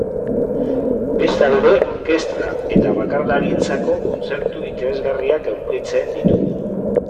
Bestalde, orkestra eta bakarlarientzako kontzertu interesgarriak aurkitzen ditugu.